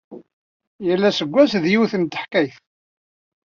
Yal aseggas, d yiwet n teḥkayt.